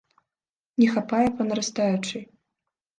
Не хапае па нарастаючай.